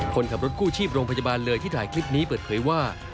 คนขับรถกู้ชีพโรงพยาบาลเลยที่ถ่ายคลิปนี้เปิดเผยว่า